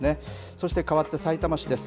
そしてかわって、さいたま市です。